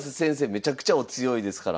めちゃくちゃお強いですから。